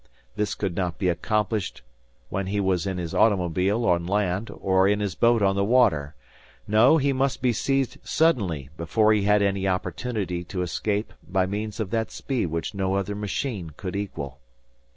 This could not be accomplished when he was in his automobile on land or in his boat on the water. No; he must be seized suddenly, before he had any opportunity to escape by means of that speed which no other machine could equal.